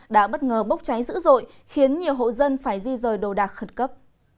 đã bất ngờ bốc cháy dữ dội khiến nhiều hộ dân phải di rời đồ đạc khẩn cấp